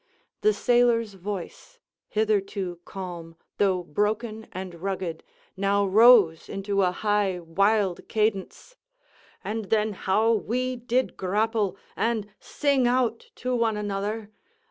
(the sailor's voice, hitherto calm, though broken and rugged, now rose into a high, wild cadence) "and then how we did grapple! and sing out one to another!